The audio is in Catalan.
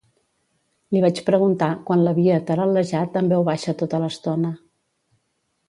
Li vaig preguntar, quan l'havia taral·larejat en veu baixa tota l'estona.